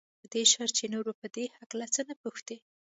په دې شرط چې نور به په دې هکله څه نه پوښتې.